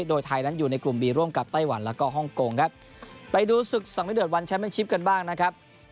โดยไทยนั้นอยู่ในกลุ่มบีร่วมกับไต้หวันแล้วก็ฮ่องกงครับไปดูศึกสังเวเดือดวันแชมเป็นชิปกันบ้างนะครับ